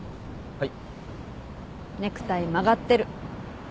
はい。